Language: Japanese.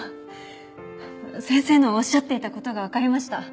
先生のおっしゃっていた事がわかりました。